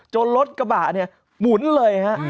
รถกระบะเนี่ยหมุนเลยฮะ